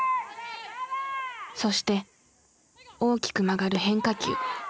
そして大きく曲がる変化球。